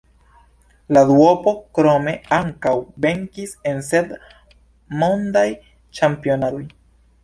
La duopo krome ankaŭ venkis en sep Mondaj Ĉampionadoj.